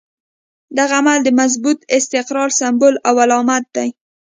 دغه عمل د مضبوط استقرار سمبول او علامت دی.